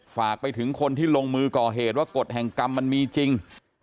ฝากไปถึงคนที่ลงมือก่อเหตุว่ากฎแห่งกรรมมันมีจริง